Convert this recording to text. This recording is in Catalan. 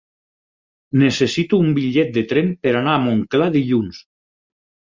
Necessito un bitllet de tren per anar a Montclar dilluns.